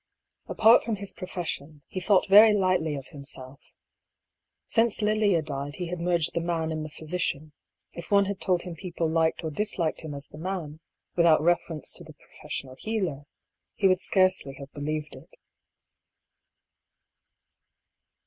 Apart from his profession, he thought very lightly of himself. Since Lilia died he had merged the man in the physician; if one had told him people liked or disliked him as the man, without reference to the professional healer, he would scarcely have be lieved it.